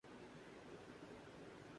کیا کیا کہانیاںان شاموںسے منسلک ہیں۔